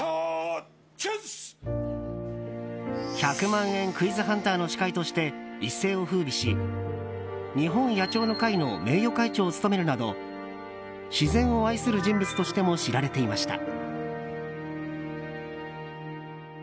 「１００万円クイズハンター」の司会として一世を風靡し、日本野鳥の会の名誉会長を務めるなど自然を愛する人物としても知られていました。